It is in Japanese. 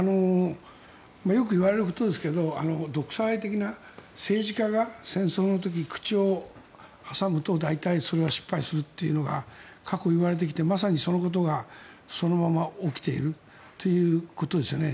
よく言われることですが独裁的な政治家が戦争の時に口を挟むと大体それは失敗するというのが過去、言われてきてまさにそのことがそのまま起きているということですね。